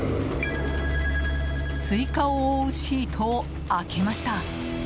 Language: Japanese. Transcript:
スイカを覆うシートを開けました。